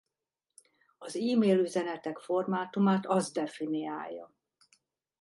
Az e-mail üzenetek formátumát az definiálja.